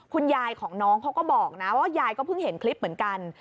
คุณยายของน้องเขาก็บอกนะว่ายายก็เพิ่งเห็นคลิปเหมือนกัน